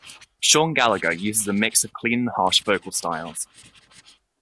Shawn Gallagher uses a mix of clean and harsh vocal styles.